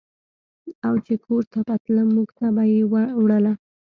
او چې کور ته به تلم مور ته به مې وړله.